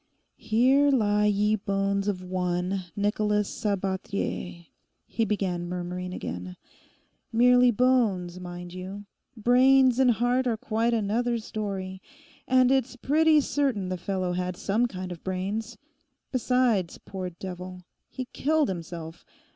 '"Here lie ye bones of one, Nicholas Sabathier,"' he began murmuring again—'merely bones, mind you; brains and heart are quite another story. And it's pretty certain the fellow had some kind of brains. Besides, poor devil! he killed himself.